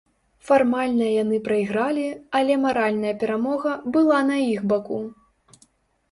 Фармальна яны прайгралі, але маральная перамога была на іх баку.